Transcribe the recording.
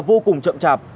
vô cùng chẳng hạn